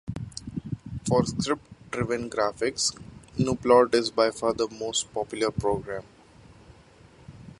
For script-driven graphics, gnuplot is by far the most popular program.